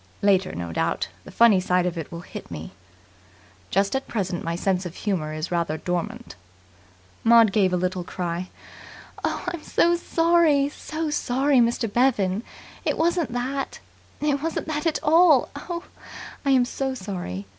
"Later, no doubt, the funny side of it will hit me. Just at present my sense of humour is rather dormant." Maud gave a little cry. "I'm sorry! I'm so sorry, Mr. Bevan. It wasn't that. It wasn't that at all. Oh, I am so sorry.